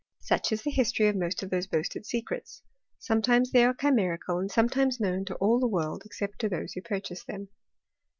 Such is the hiMtory of most of those boasted secrets ; sometimes they are chimerical, and sometimes known to all the world, excej)t to those who purchase them.